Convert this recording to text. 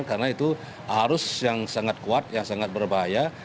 karena itu arus yang sangat kuat yang sangat berbahaya